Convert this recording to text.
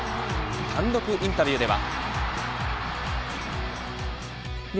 単独インタビューでは。